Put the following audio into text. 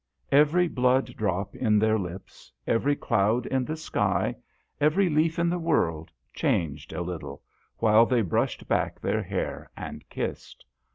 Every blood drop in their lips, every cloud in the sky, every leaf in DHOYA. 185 the world changed a little, while they brushed back their hair and kissed.